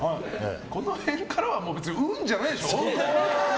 この辺からは運じゃないでしょ。